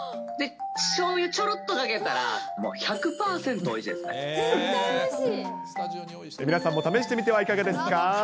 で、しょうゆちょろっとかけたら、皆さんも試してみてはいかがですか？